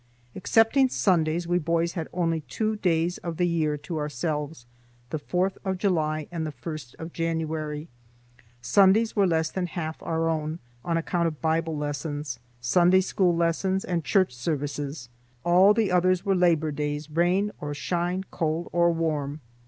Excepting Sundays we boys had only two days of the year to ourselves, the 4th of July and the 1st of January. Sundays were less than half our own, on account of Bible lessons, Sunday school lessons and church services; all the others were labor days, rain or shine, cold or warm.